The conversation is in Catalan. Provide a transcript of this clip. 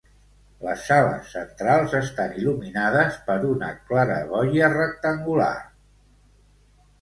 Les sales centrals estan il·luminades per una claraboia rectangular.